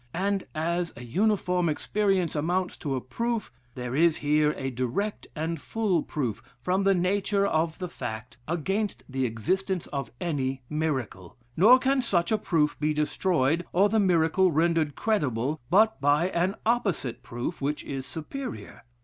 And as an uniform experience amounts to a proof, there is here a direct and full proof, from the nature of the fact, against the existence of any miracle; nor can such a proof be destroyed, or the miracle rendered credible, but by an opposite proof which is superior.